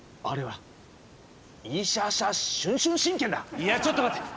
いやちょっと待て！